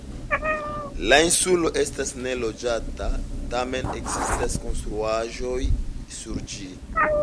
La insulo estas neloĝata, tamen ekzistas konstruaĵoj sur ĝi.